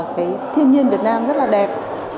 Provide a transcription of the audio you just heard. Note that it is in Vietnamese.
cái thiên nhiên việt nam rất là đẹp